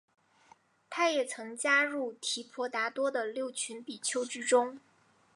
他也曾加入提婆达多的六群比丘之中。